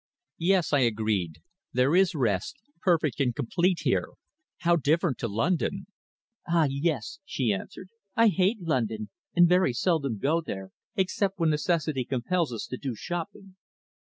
"Yes," I agreed. "There is rest, perfect and complete, here. How different to London!" "Ah, yes," she answered. "I hate London, and very seldom go there, except when necessity compels us to do shopping."